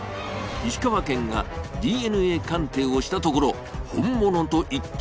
石川県がＤＮＡ鑑定をしたところ、本物と一致。